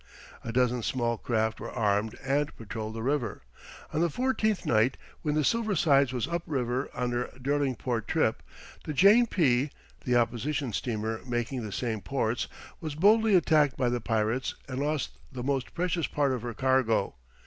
A dozen small craft were armed and patrolled the river. On the fourteenth night, when the Silver Sides was up river on her Derlingport trip, the Jane P., the opposition steamer making the same ports, was boldly attacked by the pirates and lost the most precious part of her cargo.